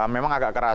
memang agak keras